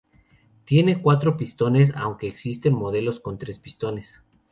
Tiene cuatro pistones, aunque existen modelos con tres pistones.